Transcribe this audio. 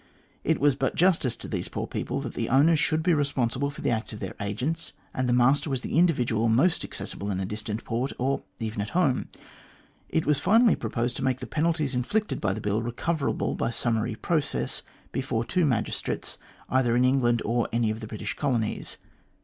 It was but justice to these poor people that the owners should be responsible for the acts of their agents, and the master was the individual most accessible in a distant port, or even at home. It was finally proposed to make the penalties inflicted by the Bill recoverable by sum mary process, before two magistrates, either in England or any of the British colonies.